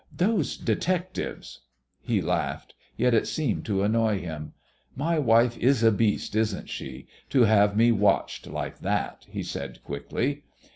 "Those detectives " He laughed. Yet it seemed to annoy him. "My wife is a beast, isn't she? to have me watched like that," he said quickly.